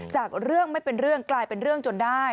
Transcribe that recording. จากเรื่องไม่เป็นเรื่องกลายเป็นเรื่องจนได้